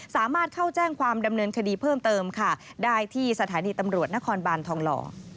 สามารถเข้าแจ้งความดำเนินคดีเพิ่มเติมค่ะได้ที่สถานีตำรวจนครบานทองหล่อ